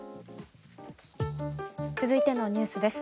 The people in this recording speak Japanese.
続いてのニュースです。